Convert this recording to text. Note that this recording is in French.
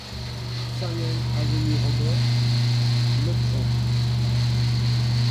cent un avenue Robert Leuthreau